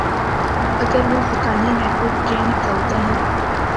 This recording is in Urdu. اگر وہ حقانی نیٹ ورک کے نکلتے ہیں۔